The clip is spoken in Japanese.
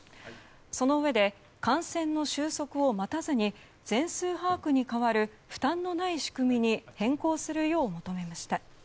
そのうえで感染の収束を待たずに全数把握に代わる負担のない仕組みに変更するよう求めました。